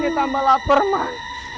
saya tambah lapar man